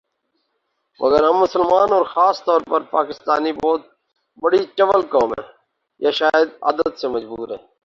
مگر ہم مسلمان اور خاص طور پر پاکستانی بہت بڑی چول قوم ہیں ، یا شاید عادت سے مجبور ہیں